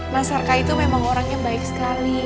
mas arka itu memang orang yang baik sekali